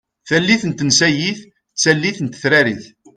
Tallit n tensayit d tallit n tetrarit.